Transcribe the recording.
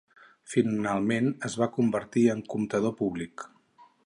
Finalment es va convertir en comptador públic.